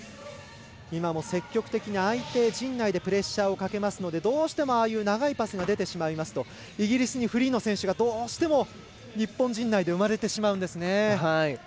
積極的に相手陣内でプレッシャーをかけますのでどうしても長いパスが出てしまいますとイギリスにフリーの選手がどうしても日本陣内で生まれてしまうんですね。